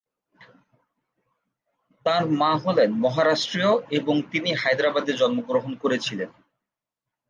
তাঁর মা হলেন মহারাষ্ট্রীয় এবং তিনি হায়দ্রাবাদে জন্মগ্রহণ করেছিলেন।